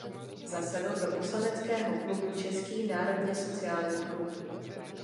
Zasedl do poslaneckého klubu Český národně sociální klub.